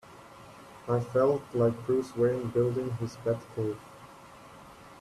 I felt like Bruce Wayne building his Batcave!